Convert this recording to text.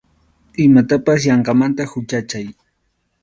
Imatapas yanqamanta huchachay.